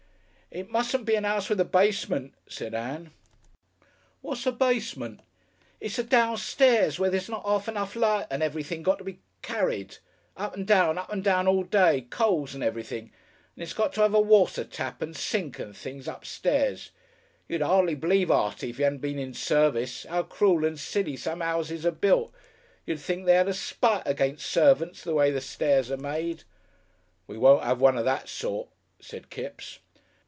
"It mustn't be a 'ouse with a basement," said Ann. "What's a basement?" "It's a downstairs, where there's not arf enough light and everything got to be carried up and down, up and down, all day coals and everything. And it's got to 'ave a watertap and sink and things upstairs. You'd 'ardly believe, Artie, if you 'adn't been in service, 'ow cruel and silly some 'ouses are built you'd think they 'ad a spite against servants the way the stairs are made." "We won't 'ave one of that sort," said Kipps....